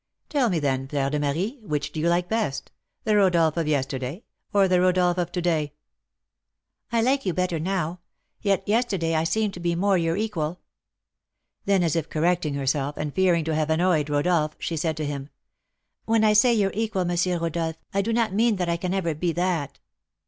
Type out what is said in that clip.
"Tell me, then, Fleur de Marie, which do you like best, the Rodolph of yesterday, or the Rodolph of to day?" "I like you better now; yet yesterday I seemed to be more your equal." Then, as if correcting herself, and fearing to have annoyed Rodolph, she said to him, "When I say your equal, M. Rodolph, I do not mean that I can ever be that."